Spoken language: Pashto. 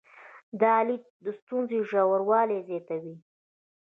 دا لید د ستونزې ژوروالي زیاتوي.